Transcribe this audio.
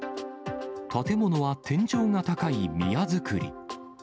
建物は天井が高い宮造り。